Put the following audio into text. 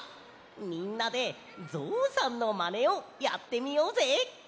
みんなでぞうさんのまねをやってみようぜ！